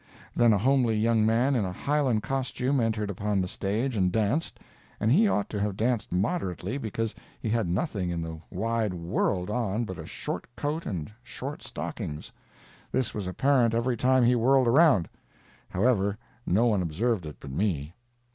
Then a homely young man in a Highland costume entered upon the stage and danced—and he ought to have danced moderately, because he had nothing in the wide world on but a short coat and short stockings. This was apparent every time he whirled around. However, no one observed it but me.